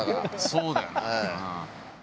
そうだよな。